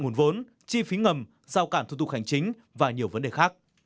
nguồn vốn chi phí ngầm giao cản thu thục hành chính và nhiều vấn đề khác